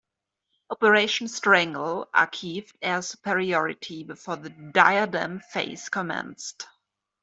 Operation Strangle achieved air superiority before the Diadem phase commenced.